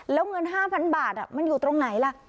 แล้วเงิน๕๐๐๐บาทมันอยู่ตรงไหนล่ะ